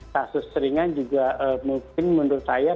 kasus ringan juga mungkin menurut saya